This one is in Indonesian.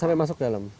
sampai masuk ke dalam